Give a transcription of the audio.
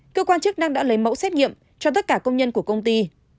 cơ quan chức năng đã lấy mẫu xét nghiệm cho tất cả công nhân của công ty